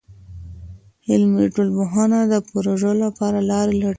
عملي ټولنپوهنه د پروژو لپاره لارې لټوي.